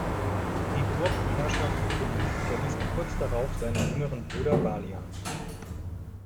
Die Burg und Herrschaft Ibelin überließ er kurz darauf seinem jüngeren Bruder Balian.